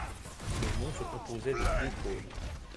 Le mont se composait de deux cônes.